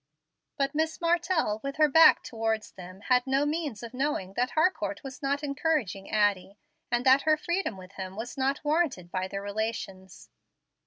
But Miss Martell, with her back towards them, had no means of knowing that Harcourt was not encouraging Addie, and that her freedom with him was not warranted by their relations.